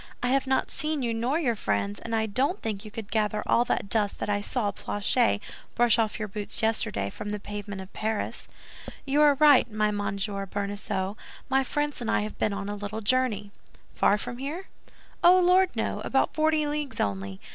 I have not seen you nor your friends, and I don't think you could gather all that dust that I saw Planchet brush off your boots yesterday from the pavement of Paris." "You are right, my dear Monsieur Bonacieux, my friends and I have been on a little journey." "Far from here?" "Oh, Lord, no! About forty leagues only.